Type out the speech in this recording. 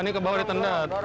oh ini ke bawah ditendet